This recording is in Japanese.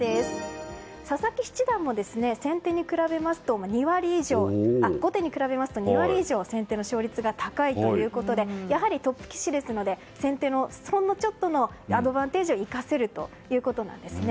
佐々木七段も後手に比べますと２割以上先手の勝率が高いということでやはりトップ棋士ですので先手のほんのちょっとのアドバンテージを生かせるんですね。